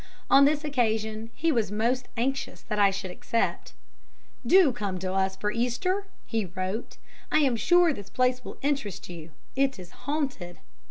On this occasion he was most anxious that I should accept. "Do come to us for Easter," he wrote. "I am sure this place will interest you it is haunted."